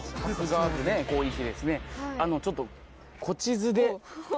ちょっと。